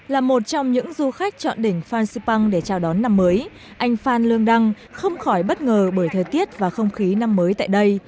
là một trong những du khách chọn đỉnh phan xipang để chào đón năm mới anh phan lương đăng không khỏi bất ngờ bởi thời tiết và không khí năm mới tại đây